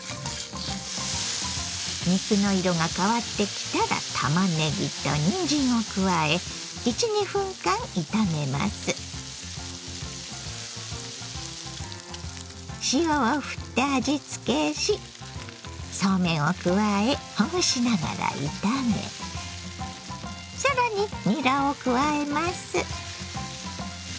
肉の色が変わってきたらたまねぎとにんじんを加え塩をふって味つけしそうめんを加えほぐしながら炒め更ににらを加えます。